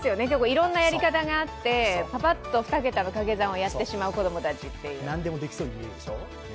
いろんなやり方があってぱぱっと２桁のかけ算をやってしまう子供たちという。